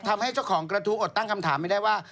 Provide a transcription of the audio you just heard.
ทำให้เจ้าของกระทู้อดตั้งคำถามไม่ได้ว่า